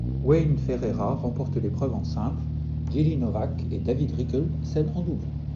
Wayne Ferreira remporte l'épreuve en simple, Jiří Novák et David Rikl celle en double.